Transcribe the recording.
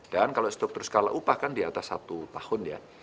dan kalau struktur skala upah kan di atas satu tahun ya